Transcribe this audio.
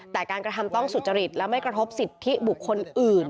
แต่การกระทำต้องสุจริตและไม่กระทบสิทธิบุคคลอื่น